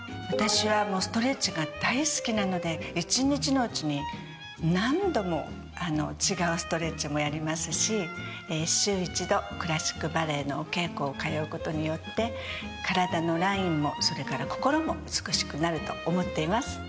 私はもうストレッチが大好きなので一日のうちに何度も違うストレッチもやりますし週一度クラシックバレエのお稽古を通うことによって体のラインもそれから心も美しくなると思っています。